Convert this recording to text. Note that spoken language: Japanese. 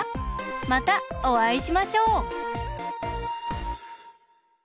またおあいしましょう！